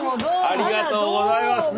ありがとうございます。